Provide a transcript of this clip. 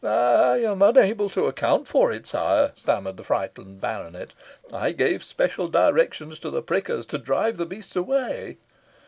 "I am unable to account for it, sire," stammered the frightened baronet. "I gave special directions to the prickers to drive the beasts away."